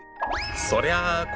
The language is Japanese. そりゃあ心